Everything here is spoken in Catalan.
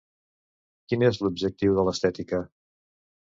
Quin és l'objectiu de l'estètica?